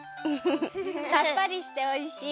さっぱりしておいしい！